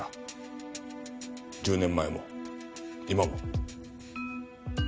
１０年前も今も。